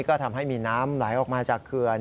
ก็ทำให้มีน้ำไหลออกมาจากเขื่อน